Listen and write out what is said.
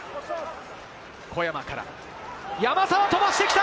小山から山沢、飛ばしてきた！